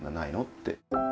って。